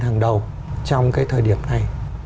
hằng đầu trong cái thời điểm này